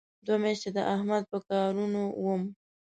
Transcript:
دوې میاشتې د احمد په کارونو وم.